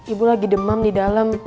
ibu lagi demam di dalam